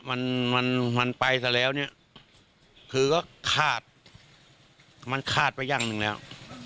มันไปเสร็จแล้วเนี่ยคือก็คาดมันคาดไปยังหนึ่งแล้ว